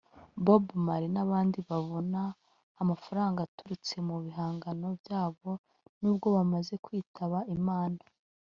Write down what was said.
Bob Marley n’ abandi babona amafaranga aturutse mu bihangano byabo n’ubwo bamaze kwitaba Imana